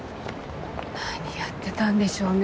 何やってたんでしょうねえ